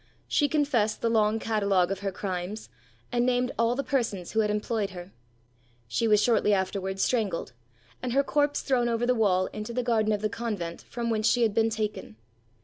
She confessed the long catalogue of her crimes, and named all the persons who had employed her. She was shortly afterwards strangled, and her corpse thrown over the wall into the garden of the convent from whence she had been taken.